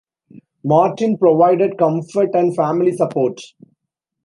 Martin provided comfort and family support.